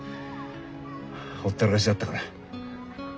ほったらかしだったから。